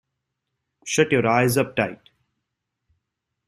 Shut your eyes up tight.